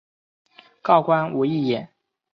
告官无益也。